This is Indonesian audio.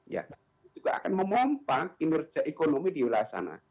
ya juga akan memompak kinerja ekonomi di wilayah sana